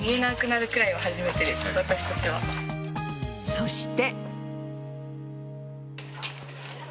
そして。